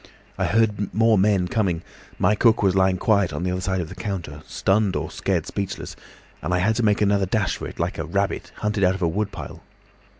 I heard more men coming, my cook was lying quiet on the other side of the counter, stunned or scared speechless, and I had to make another dash for it, like a rabbit hunted out of a wood pile.